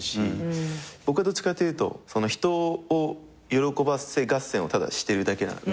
僕はどっちかというと人を喜ばせ合戦をただしてるだけなので。